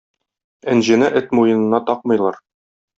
Энҗене эт муенына такмыйлар.